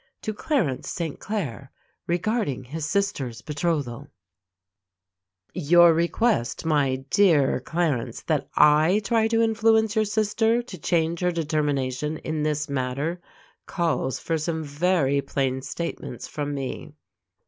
To Clarence St. Claire Regarding His Sister's Betrothal Your request, my dear Clarence, that I try to influence your sister to change her determination in this matter, calls for some very plain statements from me.